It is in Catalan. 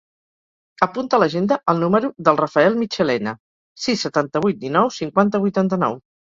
Apunta a l'agenda el número del Rafael Michelena: sis, setanta-vuit, dinou, cinquanta, vuitanta-nou.